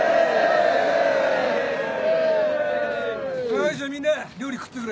はいじゃみんな料理食ってくれよ。